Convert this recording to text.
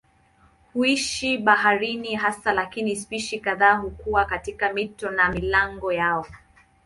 Huishi baharini hasa lakini spishi kadhaa hukaa katika mito na milango yao.